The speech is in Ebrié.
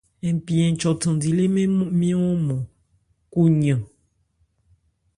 Npi Nchɔ thandi lê mɛ́n nmyɔ̂n ɔ́nmɔn ku yran.